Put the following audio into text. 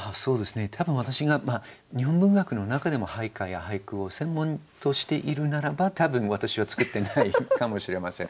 多分私が日本文学の中でも俳諧や俳句を専門としているならば多分私は作ってないかもしれません。